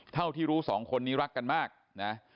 เท่าที่รู้สองคนนี้รักกันมากนะ